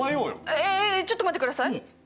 えっえっえっちょっと待ってください。